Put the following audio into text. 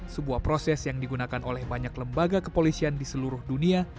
sebuah proses yang digunakan oleh banyak lembaga kepolisian di seluruh dunia